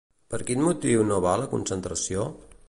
Per quin motiu no va a la concentració?